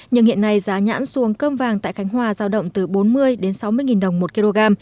nhưng hiện nay giá nhãn xuồng cơm vàng tại khánh hòa giao động từ bốn mươi đến sáu mươi nghìn đồng một kg